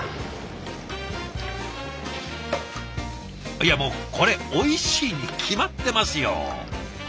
いやもうこれおいしいに決まってますよ。